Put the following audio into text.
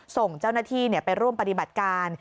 ส่งเจ้าหน้าที่ไปร่วมปฏิบัติการ